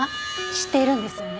知っているんですよね？